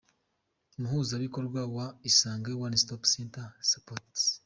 Umuhuzabikorwa wa Isange One Stop Centres Supt.